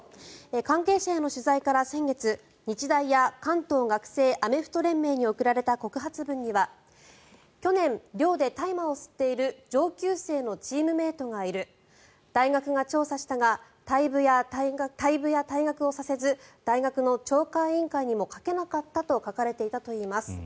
関係者への取材から先月日大や関東学生アメフト連盟に送られた告発文には去年、寮で大麻を吸っている上級生のチームメートがいる大学が調査したが退部や退学をさせず大学の懲戒委員会にもかけなかったと書かれていたといいます。